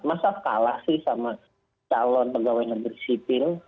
masa kalah sih sama calon pegawai yang bersiping